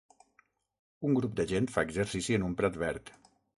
Un grup de gent fa exercici en un prat verd